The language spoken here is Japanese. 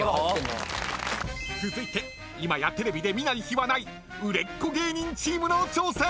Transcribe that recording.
［続いて今やテレビで見ない日はない売れっ子芸人チームの挑戦！］